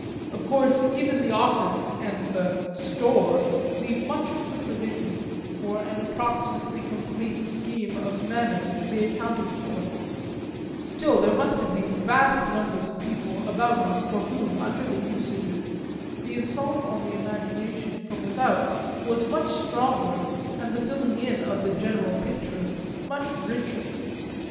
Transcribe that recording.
Of course even the office and the "store" leave much of the provision for an approximately complete scheme of manners to be accounted for; still there must have been vast numbers of people about us for whom, under the usages, the assault on the imagination from without was much stronger and the filling in of the general picture much richer.